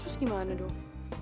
terus gimana dong